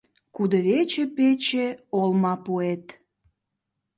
Кудывече пече олмапуэт